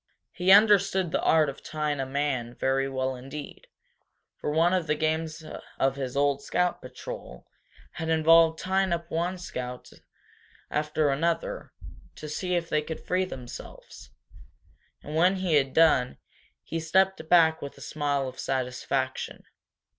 He understood the art of tying a man very well indeed, for one of the games of his old scout patrol had involved tying up one scout after another to see if they could free themselves. And when he had done, he stepped back with a smile of satisfaction.